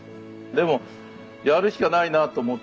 でもやるしかないなと思って。